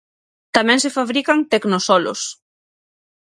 Tamén se fabrican tecnosolos.